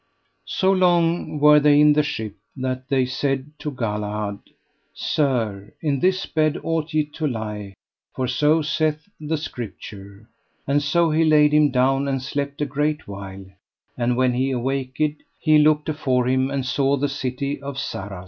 So long were they in the ship that they said to Galahad: Sir, in this bed ought ye to lie, for so saith the scripture. And so he laid him down and slept a great while; and when he awaked he looked afore him and saw the city of Sarras.